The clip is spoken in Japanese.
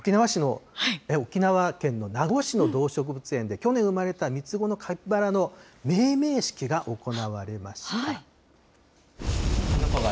沖縄県の名護市の動植物園で、去年生まれた３つ子のカピバラの命名式が行われました。